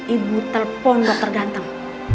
ibu telpon dokter ganteng